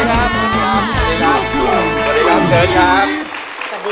สวัสดีครับคุณจักร